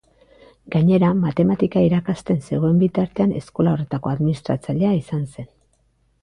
Gainera, matematika irakasten zegoen bitartean, eskola horretako administratzailea izan zen.